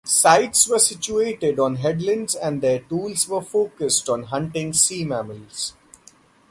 Sites were situated on headlands and their tools were focused on hunting sea mammals.